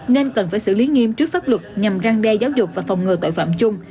nên cần phải xử lý nghiêm trước pháp luật nhằm răng đe giáo dục và phòng ngừa tội phạm chung